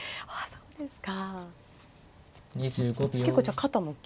そうですか。